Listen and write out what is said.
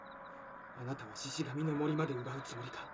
あなたはシシ神の森まで奪うつもりか？